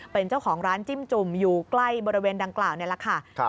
เป็นเจ้าของร้านจิ้มจุ่มอยู่ใกล้บริเวณดังกล่าวนี่แหละค่ะ